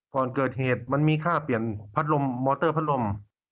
ก่อนเกิดเหตุมันมีค่าเปลี่ยนพัดลมมอเตอร์พัดลม